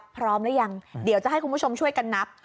พร้อมหรือยังเดี๋ยวจะให้คุณผู้ชมช่วยกันนับ